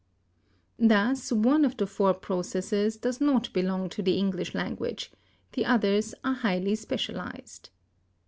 Thus one of the four processes does not belong to the English language; the others are highly specialized.